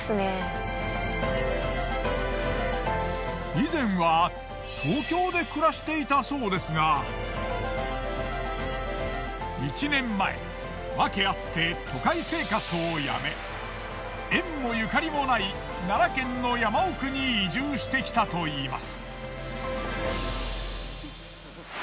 以前は東京で暮らしていたそうですが１年前訳あって都会生活を辞め縁もゆかりもない奈良県の山奥に移住してきたといいます。